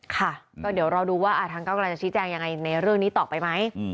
ค่ะก็เดี๋ยวรอดูว่าทางเก้ากลายจะชี้แจงยังไงในเรื่องนี้ต่อไปไหม